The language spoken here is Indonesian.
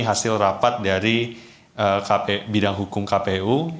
hasil rapat dari bidang hukum kpu